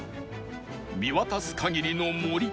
見渡す限りの森